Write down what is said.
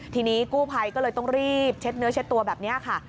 ทีนี้กู้ภัยก็เลยต้องรีบเช็ดเนื้อเช็ดตัวแบบนี้ค่ะ